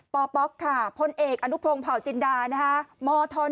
บปค่ะพลเอ็กษ์อณุพงศ์เผาจินดามธ๑